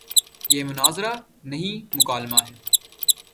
یہ مناظرہ نہیں، مکالمہ ہے۔